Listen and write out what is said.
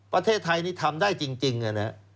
ประเทศไทยนี่ทำได้จริงแล้วนะ